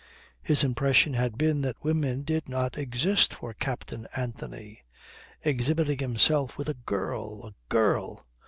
His impression had been that women did not exist for Captain Anthony. Exhibiting himself with a girl! A girl!